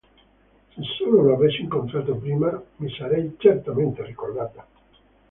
Se solo lo avessi incontrato prima, mi sarei certamente ricordata.